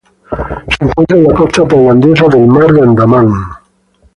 Se encuentra en la costa tailandesa del Mar de Andaman.